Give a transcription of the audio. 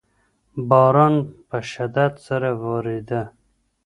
باران په شدت سره ورېده.